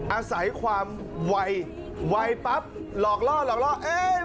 อาศัยความวัยวัยปั๊บหลอกล่อหลอกล่อเอ้ยไม่ได้ไปทางนี้หรอก